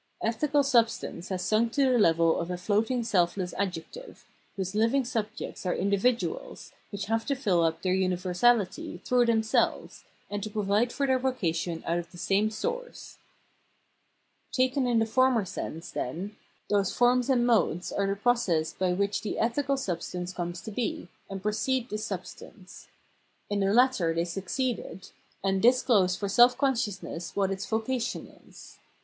Ethical substance has sunk to the level of a floating selfless adjective, whose hving subjects are individuals, which have to fill up their universality through themselves, and to provide for their vocation out of the same source. Taken in the former sense, then, those forms and modes are the process by which the ethical substance comes to be, and precede this substance : in the latter they succeed it, and disclose for self consciousness what its vocation is.